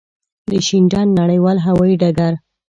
د شینډنډ نړېوال هوایی ډګر.